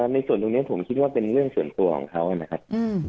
ในส่วนตรงนี้ผมคิดว่าเป็นเรื่องส่วนตัวของเขานะครับ